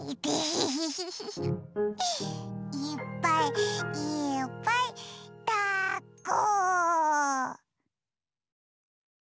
いっぱいいっぱいだっこ！